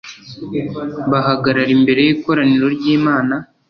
bahagarara imbere y'ikoraniro ry'imana